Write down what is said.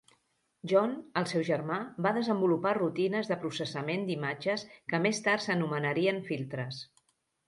John, el seu germà, va desenvolupar rutines de processament d'imatges que més tard s'anomenarien filtres.